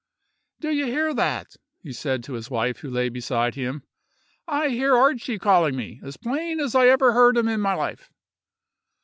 "Do you hear that?" he said to his wife, who lay beside him—"I hear Archy calling me, as plain as ever I heard him in my life!"